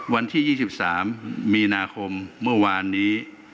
วันที่๒๓มีนาคมเมื่อวานนี้